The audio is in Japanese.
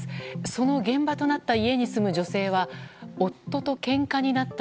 その現場となった家に住む女性は夫とけんかになった